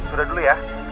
udah dulu ya